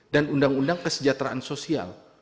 undang undang kesejahteraan sosial